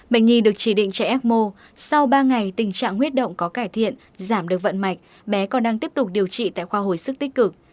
bệnh nhi được chỉ định trẻ ecmo sau ba ngày tình trạng huyết động có cải thiện giảm được vận mạch bé còn đang tiếp tục điều trị tại khoa hồi sức tích cực